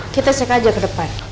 kita cek aja ke depan